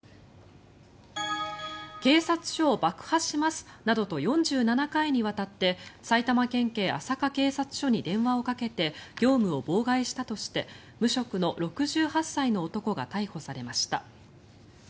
警察署を爆破しますなどと４７回にわたって埼玉県警朝霞警察署に電話をかけて業務を妨害したとして無職の６８歳の男が逮捕されました。